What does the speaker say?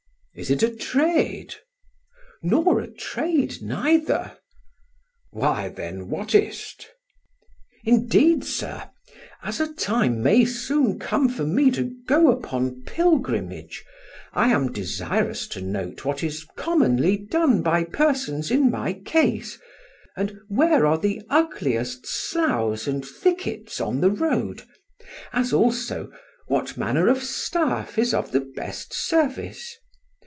"Is it a trade?" "Nor a trade neither." "Why, then, what is't?" "Indeed, sir, as a time may soon come for me to go upon Pilgrimage, I am desirous to note what is commonly done by persons in my case, and where are the ugliest Sloughs and Thickets on the Road; as also, what manner of Staff is of the best service.